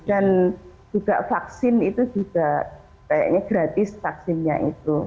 dan juga vaksin itu juga kayaknya gratis vaksinnya itu